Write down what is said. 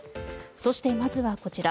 そして、まずはこちら。